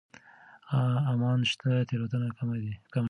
امکان شته تېروتنه کمه شي.